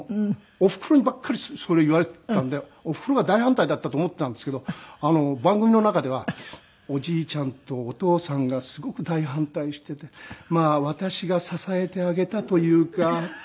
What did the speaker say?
おふくろにばっかりそれ言われてたんでおふくろが大反対だったと思ってたんですけど番組の中では「おじいちゃんとお父さんがすごく大反対しててまあ私が支えてあげたというか」。